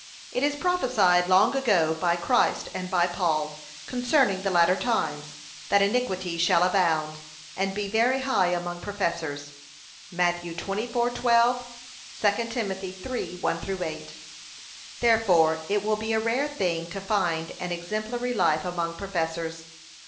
It is prophesied long ago, by Christ and by Paul, concerning the latter times, 'that iniquity shall abound, and be very high among professors.' (Matt. 24:12; 2 Tim. 3:1 8) Therefore it will be a rare thing to find an exemplary life among professors.